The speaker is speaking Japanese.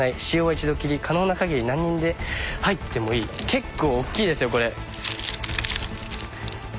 結構おっきいですよこれ。